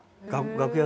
楽屋？